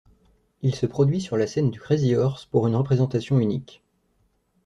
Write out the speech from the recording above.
Il se produit sur la scène du Crazy Horse pour une représentation unique.